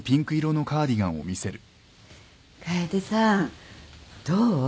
楓さんどう？